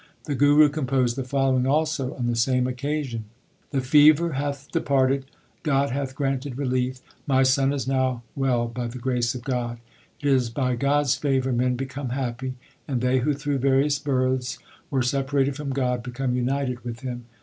The Guru composed the following also on the same occasion : The fever hath departed, God hath granted relief. My son is now well by the grace of God. It is by God s favour men become happy, And they who through various births were separated from God become united with Him.